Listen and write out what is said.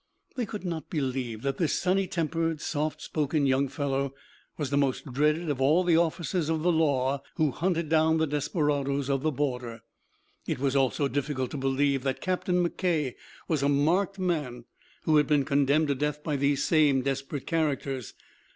They could not believe that this sunny tempered, soft spoken young fellow was the most dreaded of all the officers of the law who hunted down the desperadoes of the border. It was also difficult to believe that Captain McKay was a marked man who had been condemned to death by these same desperate characters.